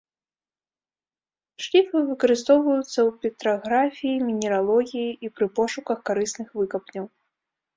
Шліфы выкарыстоўваюцца ў петраграфіі, мінералогіі і пры пошуках карысных выкапняў.